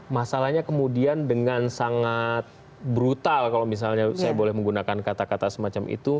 masalahnya kemudian dengan sangat brutal kalau misalnya saya boleh menggunakan kata kata semacam itu